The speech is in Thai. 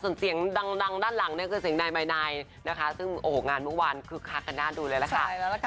ส่วนเสียงดังด้านหลังเนี่ยคือเสียงนายมายนายนะคะซึ่งโอ้โหงานเมื่อวานคึกคักกันน่าดูเลยล่ะค่ะ